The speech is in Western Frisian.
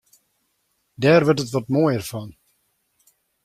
Dêr wurdt it wat moaier fan.